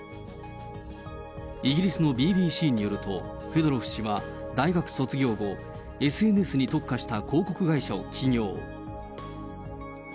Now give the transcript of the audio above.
イギリスのＢＢＣによると、フェドロフ氏は大学卒業後、ＳＮＳに特化した広告会社を起業。